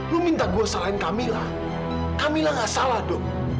lo minta gue salahin kamila kamila gak salah dong